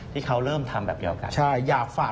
ที่เขาเริ่มทำแบบเดียวกัน